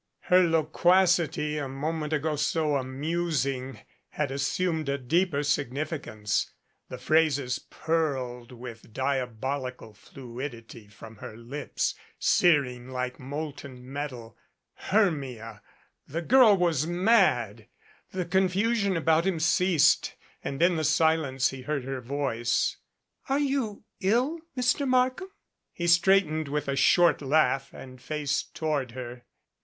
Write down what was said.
Her loquacity, a moment ago so amusing, had assumed a deeper significance. The phrases purled with diabolical fluidity from her lips, searing like molten metal. Hermia ! The girl was mad. The confusion about him ceased and in the silence he heard her voice. "Are you ill, Mr. Markham?" He straightened with a short laugh and faced toward her.